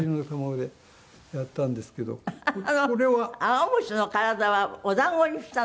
あの青虫の体はおだんごにしたの？